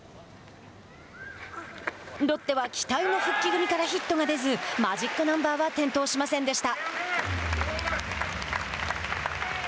ロッテは期待の復帰組からヒットが出ずマジックナンバーは点灯しませんでした。